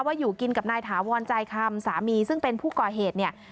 อยู่กินกับนายถาวรใจคำสามีซึ่งเป็นผู้ก่อเหตุเนี่ย